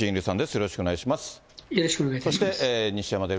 よろしくお願いします。